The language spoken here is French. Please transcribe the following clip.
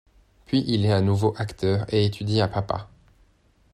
Puis il est à nouveau acteur et étudie à Pápa.